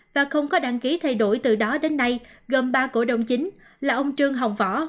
và không có đăng ký thay đổi từ đó đến nay gồm ba cổ đồng chính là ông trương hồng võ